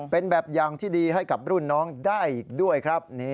เป็นแบบอย่างที่ดีให้กับรุ่นน้องได้อีกด้วยครับ